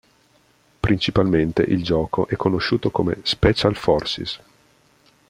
Principalmente il gioco è conosciuto come Special Forces.